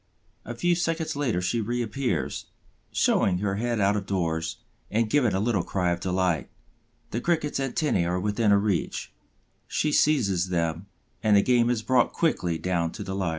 A few seconds later she reappears, showing her head out of doors and giving a little cry of delight. The Cricket's antennæ are within her reach; she seizes them, and the game is brought quickly down to the lair.